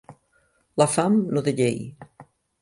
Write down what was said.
La fam no té llei.